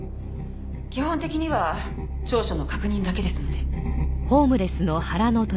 基本的には調書の確認だけですので。